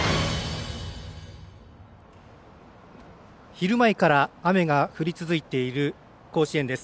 昼前から雨が降り続いている甲子園です。